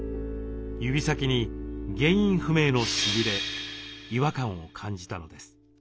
指先に原因不明のしびれ違和感を感じたのです。